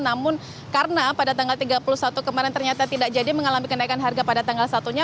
namun karena pada tanggal tiga puluh satu kemarin ternyata tidak jadi mengalami kenaikan harga pada tanggal satu nya